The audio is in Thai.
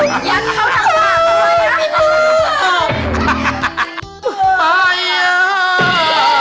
ม่วยพี่บอก